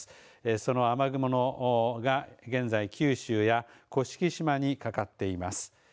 その雨雲が現在、九州や甑島にかかっています。